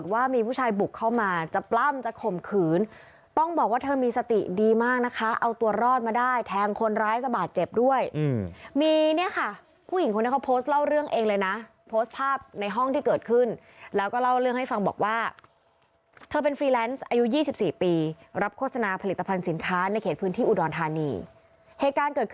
ว่ามีผู้ชายบุกเข้ามาจะปล้ำจะข่มขืนต้องบอกว่าเธอมีสติดีมากนะคะเอาตัวรอดมาได้แทงคนร้ายสะบาดเจ็บด้วยมีเนี่ยค่ะผู้หญิงคนนี้เขาโพสต์เล่าเรื่องเองเลยนะโพสต์ภาพในห้องที่เกิดขึ้นแล้วก็เล่าเรื่องให้ฟังบอกว่าเธอเป็นฟรีแลนซ์อายุ๒๔ปีรับโฆษณาผลิตภัณฑ์สินค้าในเขตพื้นที่อุดรธานีเหตุการณ์เกิดขึ้น